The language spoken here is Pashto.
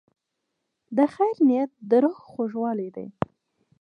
د خیر نیت د روح خوږوالی دی.